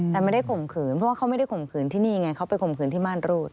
แต่ไม่ได้ข่มขืนเพราะว่าเขาไม่ได้ข่มขืนที่นี่ไงเขาไปข่มขืนที่ม่านรูด